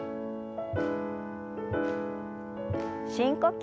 深呼吸。